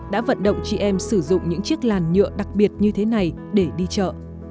đã vận động chị em sử dụng những chiếc làn nhựa đặc biệt như thế này để đi chợ